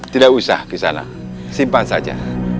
tidak usah di sana simpan saja